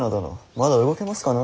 まだ動けますかな？